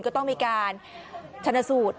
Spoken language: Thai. ก็ต้องมีการชนะสูตร